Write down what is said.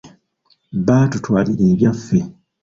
Baatutwalira ebyaffe.